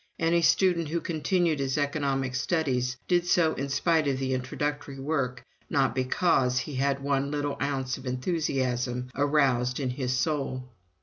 Any student who continued his economic studies did so in spite of the introductory work, not because he had had one little ounce of enthusiasm aroused in his soul.